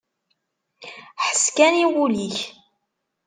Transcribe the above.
Ḥess kan i wul-ik!